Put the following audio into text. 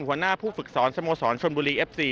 หัวหน้าผู้ฝึกสอนสโมสรชนบุรีเอฟซี